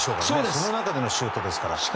その中でのシュートですから。